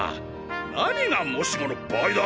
何がもしもの場合だ。